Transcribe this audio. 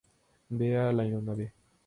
Vea la aeronave.